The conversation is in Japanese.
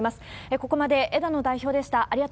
ここまで枝野代表でした。